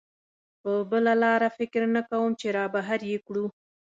په بله لاره فکر نه کوم چې را بهر یې کړو.